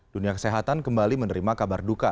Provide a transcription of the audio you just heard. dunia kesehatan kembali menerima kabar duka